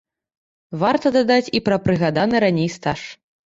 Варта дадаць і пра прыгаданы раней стаж.